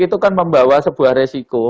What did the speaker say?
itu kan membawa sebuah resiko